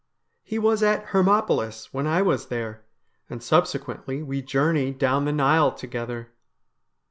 He was at Hermopolis when I was there, and subsequently we journeyed down the Nile together.'